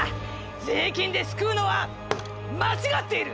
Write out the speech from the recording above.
税金で救うのは間違っている！』。